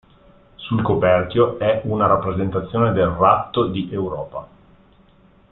Sul coperchio è una rappresentazione della Ratto di Europa.